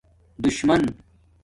دُشمَن